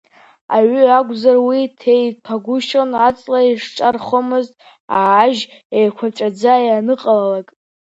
Аҩы акәзар, уи ҭеиҭәагәышьон, аҵла изҿархомызт, ажь еиқәаҵәаӡа ианыҟалалак.